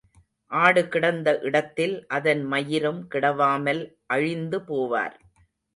ஆடு கிடந்த இடத்தில் அதன் மயிரும் கிடவாமல் அழிந்து போவார்.